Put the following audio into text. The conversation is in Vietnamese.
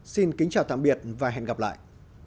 xin chào tạm biệt và hẹn gặp lại